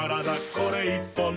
これ１本で」